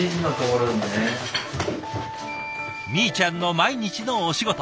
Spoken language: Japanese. みーちゃんの毎日のお仕事。